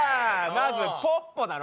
まずポッポだろ。